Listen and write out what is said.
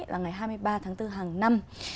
là ngày hai mươi ba tháng bốn hàng năm